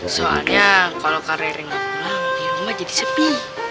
soalnya kalo karirnya gak pulang dirumah jadi sepi